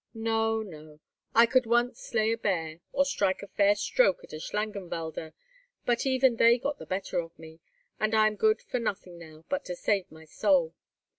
No, no; I could once slay a bear, or strike a fair stroke at a Schlangenwalder, but even they got the better of me, and I am good for nothing now but to save my soul.